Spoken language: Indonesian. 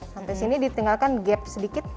sampai sini ditinggalkan gap sedikit